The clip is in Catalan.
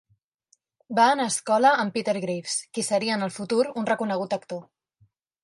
Va anar a escola amb Peter Graves, qui seria en el futur un reconegut actor.